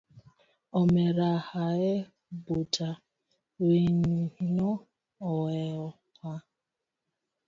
Omera hae buta wiyino hoewa.